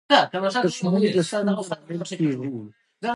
• دښمني د ستونزو لامل کېږي.